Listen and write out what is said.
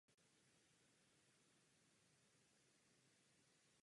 Otáčení, posun